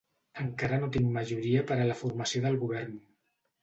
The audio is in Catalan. Encara no tinc majoria per a la formació del govern.